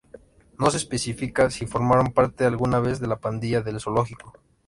No se especifica si formaron parte alguna vez de la Pandilla del Zoológico.